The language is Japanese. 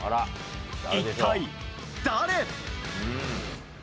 一体誰？